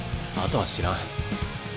あとは知らん。